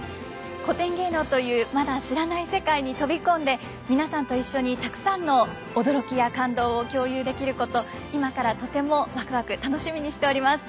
古典芸能というまだ知らない世界に飛び込んで皆さんと一緒にたくさんの驚きや感動を共有できること今からとてもワクワク楽しみにしております。